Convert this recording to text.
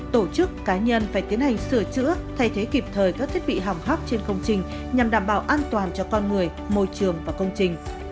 tổ chức cá nhân phải tiến hành sửa chữa thay thế kịp thời các thiết bị hỏng hóc trên công trình nhằm đảm bảo an toàn cho con người môi trường và công trình